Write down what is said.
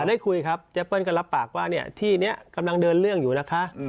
ได้คุยครับเจ๊เปิ้ลก็รับปากว่าที่นี้กำลังเดินเรื่องอยู่นะคะ